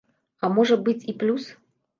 А можа быць, і плюс.